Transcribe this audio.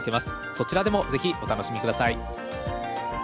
そちらでもぜひお楽しみ下さい。